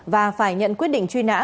và phải nhận quyết định truy nã